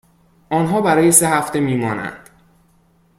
آنها برای سه هفته می مانند.